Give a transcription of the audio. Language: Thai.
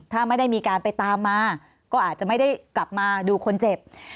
ถ้าไม่ได้มีการไปตามมาก็อาจจะไม่ได้กลับมาดูคนเจ็บ